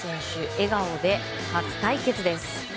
笑顔で初対決です。